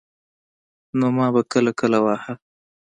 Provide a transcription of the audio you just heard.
نو ما به کله کله واهه.